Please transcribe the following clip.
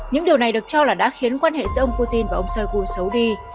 những điều này được cho là đã khiến quan hệ giữa ông putin và ông shoigu xấu đi